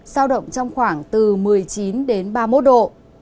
sao động trong khoảng từ một mươi chín đến ba mươi một độ